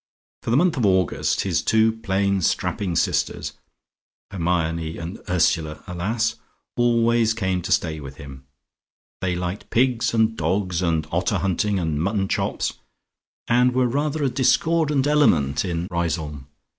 For the month of August, his two plain strapping sisters (Hermione and Ursula alas!) always came to stay with him. They liked pigs and dogs and otter hunting and mutton chops, and were rather a discordant element in Riseholme.